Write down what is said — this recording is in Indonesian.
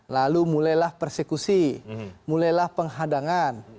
lalu mulailah persekusi mulailah penghadangan